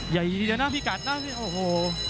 ใหญ่ดีนะนะพี่กัดนะโอ้โห